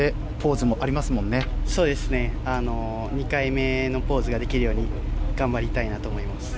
２回目のポーズができるように頑張りたいなと思います。